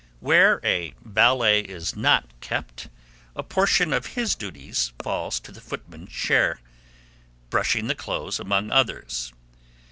Where a valet is not kept, a portion of his duties falls to the footman's share, brushing the clothes among others.